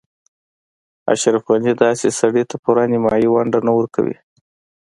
اشرف غني داسې سړي ته پوره نیمايي ونډه نه ورکوي.